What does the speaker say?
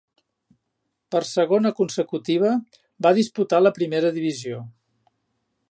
Per segona consecutiva, va disputar la Primera divisió.